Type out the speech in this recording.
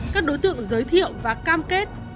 các đối tượng giới thiệu và cam kết